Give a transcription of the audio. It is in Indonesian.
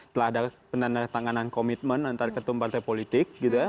telah ada penandatanganan komitmen antara ketum partai politik gitu ya